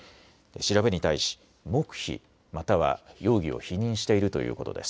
調べに対し黙秘、または容疑を否認しているということです。